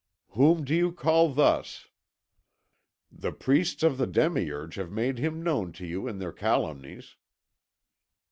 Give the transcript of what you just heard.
"Whom do you call thus?" "The priests of the demiurge have made him known to you in their calumnies."